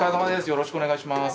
よろしくお願いします。